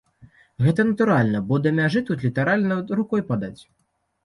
Гэта натуральна, бо да мяжы тут літаральна рукой падаць.